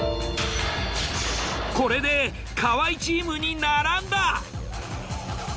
これで河合チームに並んだ。